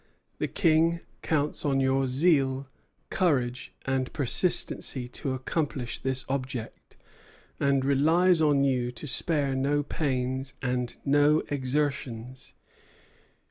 The King counts on your zeal, courage, and persistency to accomplish this object, and relies on you to spare no pains and no exertions.